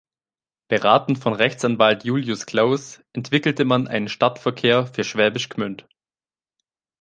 Beraten von Rechtsanwalt Julius Klaus entwickelte man einen Stadtverkehr für Schwäbisch Gmünd.